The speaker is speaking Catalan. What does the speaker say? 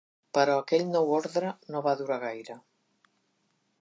Però aquell nou ordre no va durar gaire.